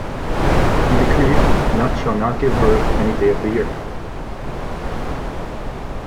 He decreed, Nut shall not give birth any day of the year.